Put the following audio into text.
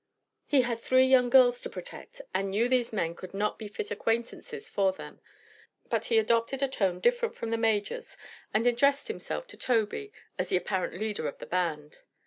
He had three young girls to protect and knew these men could not be fit acquaintances for them. But he adopted a tone different from the Major's and addressed himself to Tobey as the apparent leader of the band.